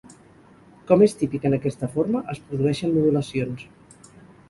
Com és típic en aquesta forma, es produeixen modulacions.